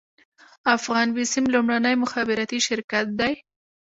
افغان بیسیم لومړنی مخابراتي شرکت دی